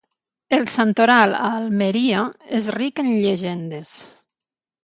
El santoral a Almeria és ric en llegendes.